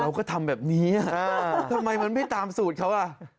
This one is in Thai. เราก็ทำแบบนี้ทำไมมันไม่ตามสูตรเขาอ่ะ